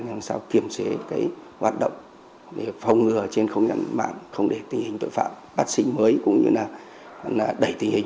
làm sao kiểm soát hoạt động để phòng ngừa trên không gian mạng không để tình hình tội phạm bắt sinh mới